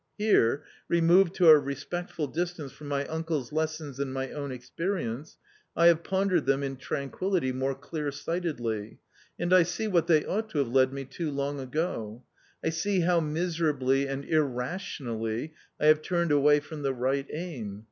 Here, removed to a respectful distance from my uncle's lessons and my own experience, I have pondered them in tranquillity more clear sightedly, and I see what they ought to have led me to long ago; I see how miserably and irrationally I have turned away from the right aim.